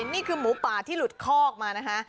นี่คือหมูป่าที่หลุดคอกมานะคะ